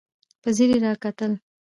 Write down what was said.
په ځير يې راکتل.